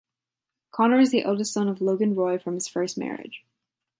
Connor is the eldest son of Logan Roy from his first marriage.